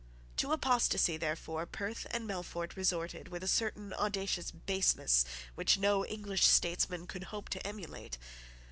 To apostasy, therefore, Perth and Melfort resorted with a certain audacious baseness which no English statesman could hope to emulate.